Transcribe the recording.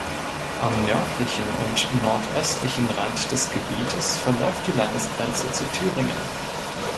Am nördlichen und nordöstlichen Rand des Gebietes verläuft die Landesgrenze zu Thüringen.